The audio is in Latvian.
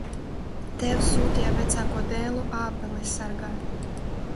Tēvs sūtīja vecāko dēlu ābeles sargāt.